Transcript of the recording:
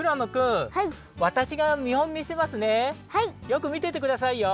よくみててくださいよ。